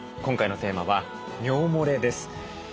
今回のテーマは尿もれです。